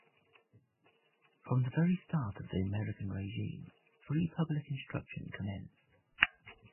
From the very start of the American regime, free public instruction commenced.